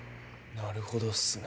なるほどっすね。